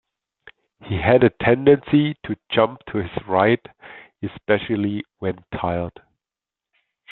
He had a tendency to jump to his right especially when tired.